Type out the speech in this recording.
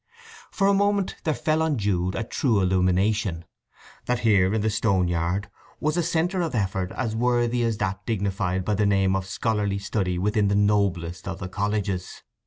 For a moment there fell on Jude a true illumination; that here in the stone yard was a centre of effort as worthy as that dignified by the name of scholarly study within the noblest of the colleges.